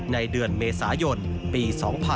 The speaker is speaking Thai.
ในเดือนเมษายนปี๒๕๖๒